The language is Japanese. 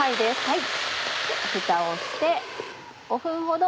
ふたをして。